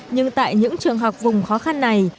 nhưng tại những trường học vùng khó khăn này